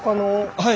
はい！